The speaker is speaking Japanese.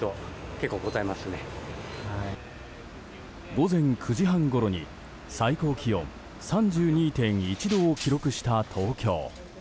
午前９時半ごろに、最高気温３２．１度を記録した東京。